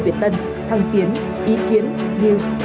việt tân thăng tiến ý kiến news